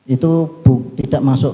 itu tidak masuk